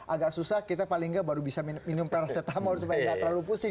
agak susah kita paling nggak baru bisa minum paracetamol supaya nggak terlalu pusing